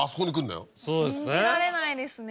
そうですね。